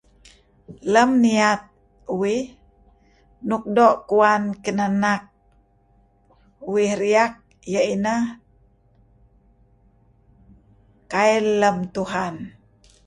Lem niyat uih nuk doo' kuwan kinanak uih riyak iyeh ineh kail lem Tuhan